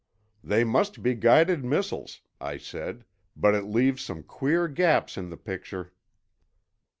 "They must be guided missiles," I said, "but it leaves some queer gaps in the picture."